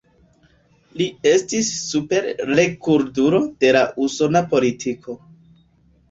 Li estis "Super-rekordulo" de la usona politiko.